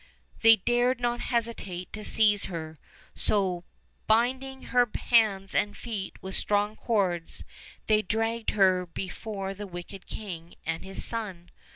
They dared not hesitate to seize her; so, binding her hands and feet with strong cords, they dragged her be fore the wicked king and his son.